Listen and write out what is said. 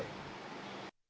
thưa quý vị